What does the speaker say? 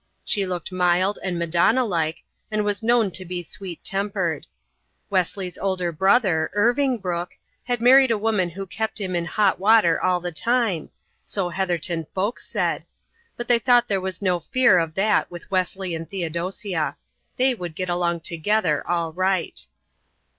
She looked mild and Madonna like and was known to be sweet tempered. Wesley's older brother, Irving Brooke, had married a woman who kept him in hot water all the time, so Heatherton folks said, but they thought there was no fear of that with Wesley and Theodosia. They would get along together all right.